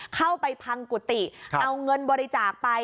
เข้าไปพังกุฏิเอาเงินบริจาคไป